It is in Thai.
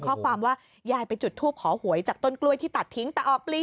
ข้อความว่ายายไปจุดทูปขอหวยจากต้นกล้วยที่ตัดทิ้งแต่ออกปลี